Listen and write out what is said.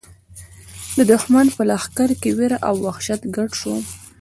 د دښمن په لښکر کې وېره او وحشت ګډ شو.